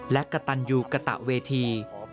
และกระตันยูกระตะเวที